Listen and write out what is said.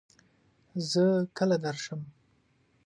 زۀ کله درشم ؟